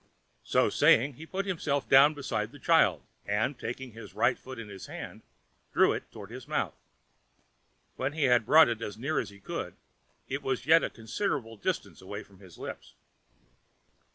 So saying, he put himself down beside the child, and, taking his right foot in his hand, drew it toward his mouth. When he had brought it as near as he could, it was yet a considerable distance away from his lips.